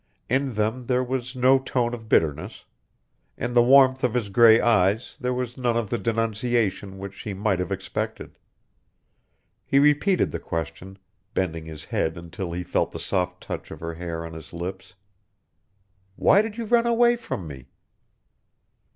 In them there was no tone of bitterness; in the warmth of his gray eyes there was none of the denunciation which she might have expected. He repeated the question, bending his head until he felt the soft touch of her hair on his lips. "Why did you run away from me?"